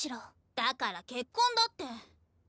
だから結婚だって。